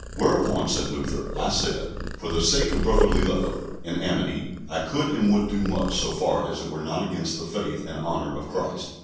Whereupon, said Luther, I said: "For the sake of brotherly love and amity I could and would do much, so far as it were not against the faith and honour of Christ."